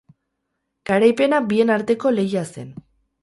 Garaipena bien arteko lehia zen.